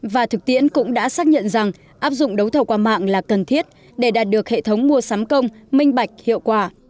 và thực tiễn cũng đã xác nhận rằng áp dụng đấu thầu qua mạng là cần thiết để đạt được hệ thống mua sắm công minh bạch hiệu quả